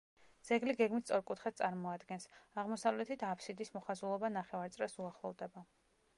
ძეგლი გეგმით სწორკუთხედს წარმოადგენს; აღმოსავლეთით აბსიდის მოხაზულობა ნახევარწრეს უახლოვდება.